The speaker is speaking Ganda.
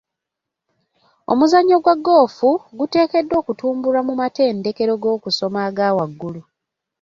Omuzannyo gwa ggoofu guteekeddwa okutumbulwa mu matendekero g'okusoma aga waggulu.